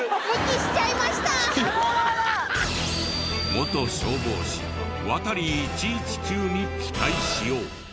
元消防士ワタリ１１９に期待しよう。